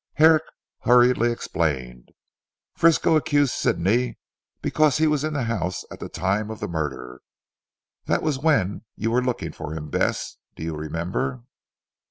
Herrick hurriedly explained. "Frisco accused Sidney because he was in the house at the time of the murder. That was when you were looking for him, Bess. Do you remember?"